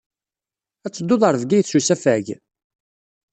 Ad teddud ɣer Bgayet s usafag?